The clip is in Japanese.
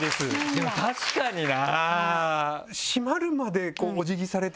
でも確かにな！